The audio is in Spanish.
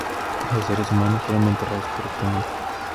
Los seres humanos fueron enterrados correctamente.